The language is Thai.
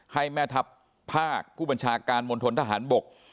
ให้แม่ทัพภาคผู้บัญชาการมณฑนทหารบก